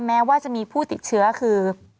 แม้ว่าจะมีผู้ติดเชื้อคือ